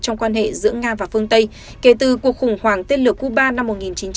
trong quan hệ giữa nga và phương tây kể từ cuộc khủng hoảng tên lửa cuba năm một nghìn chín trăm bảy mươi